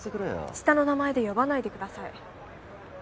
下の名前で呼ばないでください。